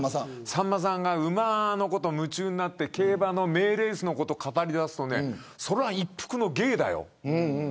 さんまさんが馬のこと夢中になって競馬の名レースのこと語りだすとそれは一服の芸だよ。